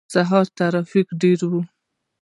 سهار ترافیک ډیر وی